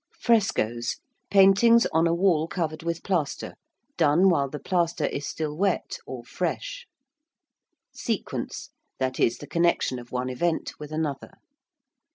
~frescoes~: paintings on a wall covered with plaster done while the plaster is still wet or fresh. ~sequence~: that is, the connection of one event with another.